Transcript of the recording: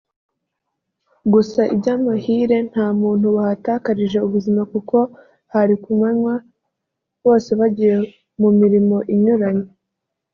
gusa by’amahire nta muntu wahatakarije ubuzima kuko hari ku manywa bose bagiye mu mirimo inyuranye